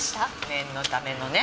念のためのね。